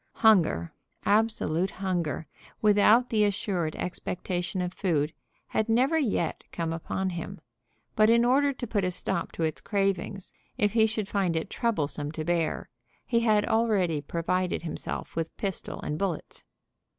Hunger, absolute hunger, without the assured expectation of food, had never yet come upon him; but in order to put a stop to its cravings, if he should find it troublesome to bear, he had already provided himself with pistol and bullets.